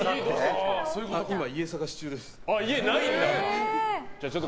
今、家探し中です。